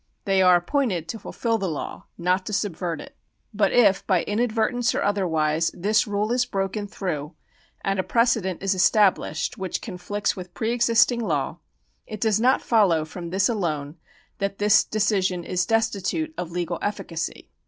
They are appointed to fulfil the law, not to subvert it. But if by inadvertence or otherwise this rule is broken through, and a precedent is established which conflicts with pre existing law, it does not follow from this alone that this decision is destitute of legal efficacy.